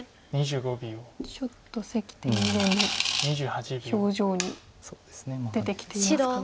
ちょっと関天元の表情に出てきていますかね。